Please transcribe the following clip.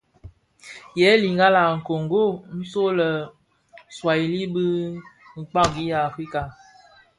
Yèè lingala a Kongo, nso lè Swuahili bi kpagi a Afrika.